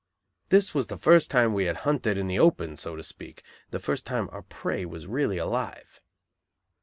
This was the first time we had hunted in the open, so to speak; the first time our prey was really alive.